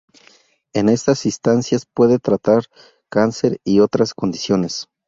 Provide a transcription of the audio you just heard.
En esas instancias puede tratar cáncer y otras condiciones.